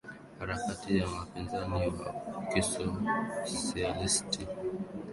harakati na wapinzani wa kisosialisti